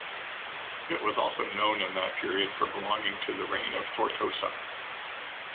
It was also known in that period for belonging to the reign of Tortosa.